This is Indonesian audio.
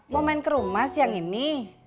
mau main ke rumah siang ini